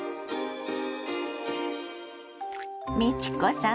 美智子さん